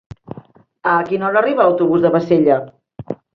A quina hora arriba l'autobús de Bassella?